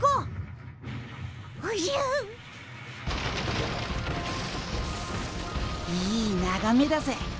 いいながめだぜ。